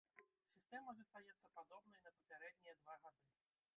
Сістэма застаецца падобнай на папярэднія два гады.